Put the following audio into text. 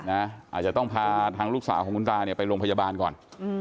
อาจจะต้องพาทางลูกสาวของคุณตาเนี่ยไปโรงพยาบาลก่อน